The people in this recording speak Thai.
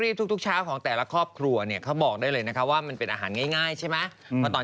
โอ้โฮนุ่มแต่วันนึงนะถ้าเธอเป็นพูดว่าผู้ชายขึ้นมาเมื่อไหร่